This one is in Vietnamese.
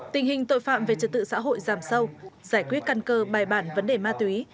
tình hình tội phạm về trật tự xã hội giảm sâu giải quyết căn cơ bài bản vấn đề ma túy